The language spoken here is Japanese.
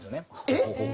えっ？